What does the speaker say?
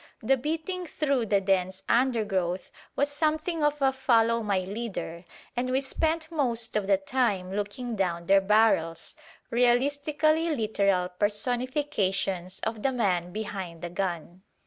The beating through the dense undergrowth was something of a "follow my leader," and we spent most of the time looking down their barrels, realistically literal personifications of "the man behind the gun."